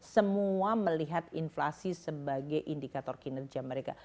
semua melihat inflasi sebagai indikator kinerja mereka